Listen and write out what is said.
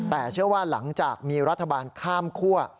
แต่เชื่อว่าหลังจากมีรัฐบาลข้ามคั่ว